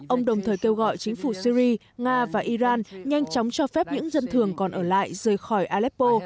ông đồng thời kêu gọi chính phủ syri nga và iran nhanh chóng cho phép những dân thường còn ở lại rời khỏi aleppo